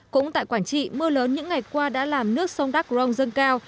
cũng tại quảng trị mưa lớn những ngày qua đã làm nước sông đắc rồng dâng cao